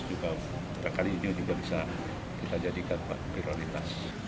juga berkali ini bisa dijadikan prioritas